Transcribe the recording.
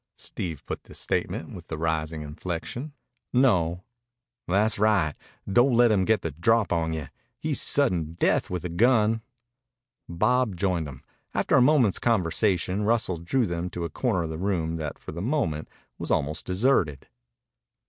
Steve put the statement with the rising inflection. "No." "Tha's right. Don't let him get the drop on you. He's sudden death with a gun." Bob joined them. After a moment's conversation Russell drew them to a corner of the room that for the moment was almost deserted.